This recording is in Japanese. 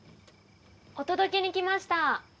お届けに来ました。